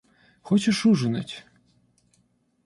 Хочешь ужинать?